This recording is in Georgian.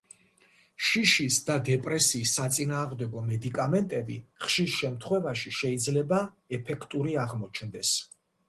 შიშის და დეპრესიის საწინააღმდეგო მედიკამენტები ხშირ შემთხვევაში შეიძლება ეფექტური აღმოჩნდეს.